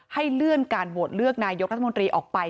ให้เลื่อนการโหวตเลือกนายกรัฐมนตรีออกไป